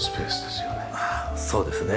ああそうですね。